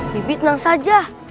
bibi tenang saja